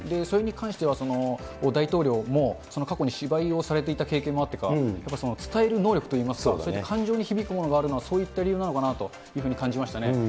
それに関しては、大統領も過去に芝居をされていた経験もあってか、やっぱり伝える能力といいますか、そういった感情に響くものがあるのはそういった理由なのかなと、感じましたね。